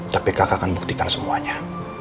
tapi kakak akan buktikan semuanya